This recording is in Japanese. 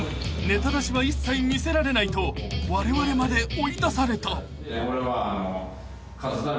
ネタ出しは一切見せられないとわれわれまで追い出された］